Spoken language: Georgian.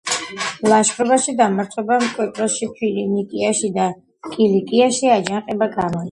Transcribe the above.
ლაშქრობაში დამარცხებამ კვიპროსში, ფინიკიაში და კილიკიაში აჯანყება გამოიწვია.